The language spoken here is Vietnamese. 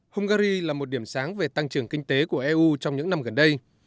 hungary là một điểm sáng về tăng trưởng kinh tế của eu trong những năm gần đây